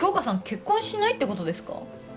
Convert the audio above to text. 結婚しないってことですか？